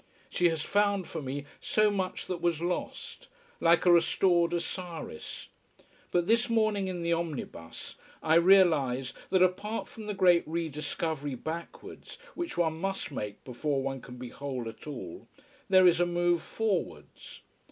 She has found for me so much that was lost: like a restored Osiris. But this morning in the omnibus I realize that, apart from the great rediscovery backwards, which one must make before one can be whole at all, there is a move forwards.